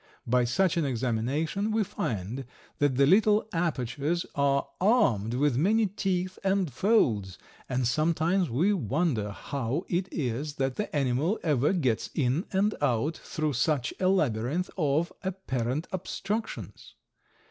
By such an examination we find that the little apertures are armed with many teeth and folds, and sometimes we wonder how it is that the animal ever gets in and out through such a labyrinth of apparent obstructions.